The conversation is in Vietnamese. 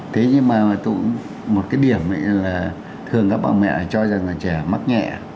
thế nhưng mà một cái điểm là thường các bà mẹ cho rằng là trẻ mắc nhẹ